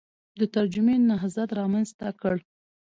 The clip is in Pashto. د ترجمې نهضت رامنځته کړ